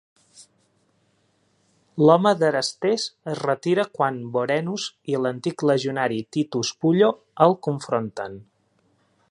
L'home d'Erastés es retira quan Vorenus i l'antic legionari Titus Pullo el confronten.